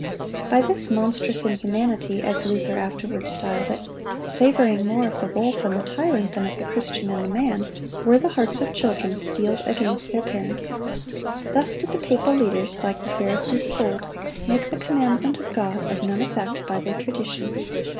By this "monstrous inhumanity," as Luther afterward styled it, "savoring more of the wolf and the tyrant than of the Christian and the man," were the hearts of children steeled against their parents.(111) Thus did the papal leaders, like the Pharisees of old, make the commandment of God of none effect by their tradition.